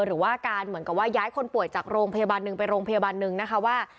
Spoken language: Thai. หรือว่าการเหมือนกับว่าย้ายคนป่วยจากโรงพยาบาลหนึ่งไปโรงพยาบาลหนึ่งนะคะว่า